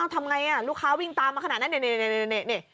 ทำไงลูกค้าวิ่งตามมาขนาดนั้นนี่